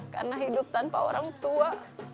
karena hidup tanpa orang tua